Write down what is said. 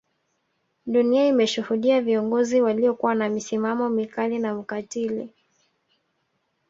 Dunia imeshuhudia viongozi waliokuwa na misimamo mikali na ukatili